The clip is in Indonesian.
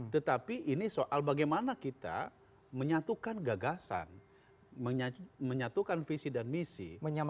tetapi ini soal bagaimana kita menyatukan gagasan menyatukan visi dan misi